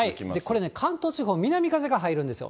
これね、関東地方、南風が入るんですよ。